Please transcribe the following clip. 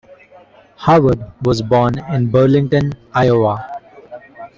Howard was born in Burlington, Iowa.